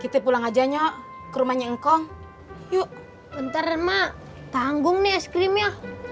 kita pulang aja nya ke rumahnya engkong yuk bentar emak tanggung nih es krimnya